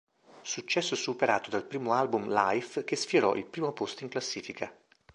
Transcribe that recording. Successo superato dal primo album "Life" che sfiorò il primo posto in classifica.